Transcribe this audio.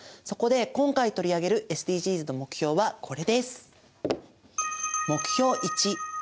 そこで今回取り上げるＳＤＧｓの目標はこれです。